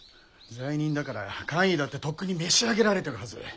罪人だから官位だってとっくに召し上げられてるはず。